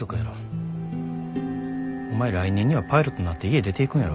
お前来年にはパイロットになって家出ていくんやろ。